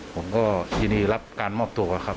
ผมก็ยินดีรับการมอบตัวครับ